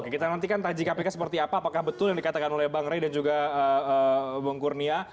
kita nantikan taji kpk seperti apa apakah betul yang dikatakan oleh bang ray dan juga bung kurnia